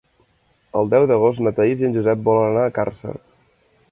El deu d'agost na Thaís i en Josep volen anar a Càrcer.